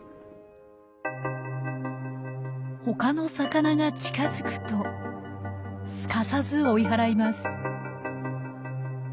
他の魚が近づくとすかさず追い払います。